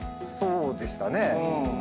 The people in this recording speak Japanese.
そうでしたね。